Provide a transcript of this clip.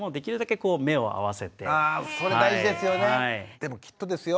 でもきっとですよ